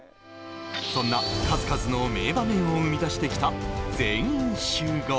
そんな数々の名場面を生み出してきた「全員集合」